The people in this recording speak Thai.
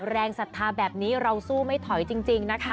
ศรัทธาแบบนี้เราสู้ไม่ถอยจริงนะคะ